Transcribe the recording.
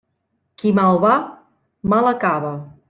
Qui mal va, mal acaba.